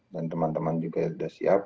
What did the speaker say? dan teman teman juga sudah siap